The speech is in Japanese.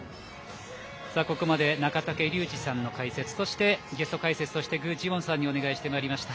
ここまで中竹竜二さんの解説そして、ゲスト解説具智元さんにお願いしてまいりました。